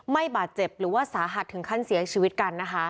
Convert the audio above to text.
บาดเจ็บหรือว่าสาหัสถึงขั้นเสียชีวิตกันนะคะ